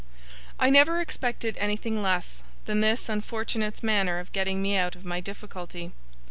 I never expected anything less, than this unfortunate's manner of getting me out of my difficulty.